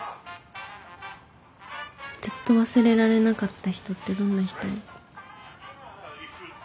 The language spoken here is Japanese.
ずっと忘れられなかった人ってどんな人？